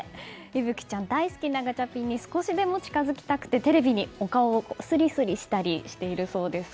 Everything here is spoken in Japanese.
依蕗ちゃん、大好きなガチャピンに少しでも近づきたくてテレビにお顔をすりすりしたりしているそうです。